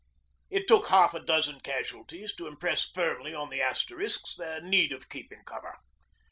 It took half a dozen casualties to impress firmly on the Asterisks the need of keeping cover.